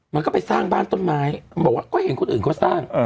มันก็ไปสร้างบ้านต้นไม้มันบอกว่าก็เห็นคนอื่นเขาสร้าง